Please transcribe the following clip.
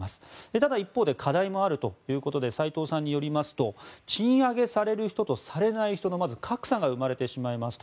ただ、一方で課題もあるということで斎藤さんによりますと賃上げされる人とされない人のまず格差が生まれてしまいますと。